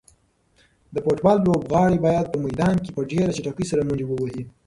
د فوټبال لوبغاړي باید په میدان کې په ډېره چټکۍ سره منډې ووهي.